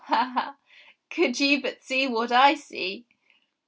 Ha, ha ! Could ye but see what I see